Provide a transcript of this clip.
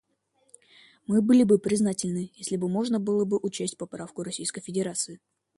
Мы были бы признательны, если бы можно было бы учесть поправку Российской Федерации.